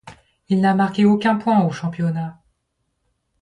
Il n'a marqué aucun point au championnat.